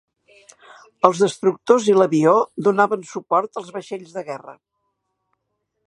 Els destructors i l'avió donaven suport als vaixells de guerra.